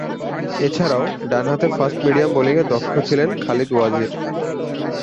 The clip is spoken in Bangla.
এছাড়াও, ডানহাতে ফাস্ট-মিডিয়াম বোলিংয়ে দক্ষ ছিলেন খালিদ ওয়াজির।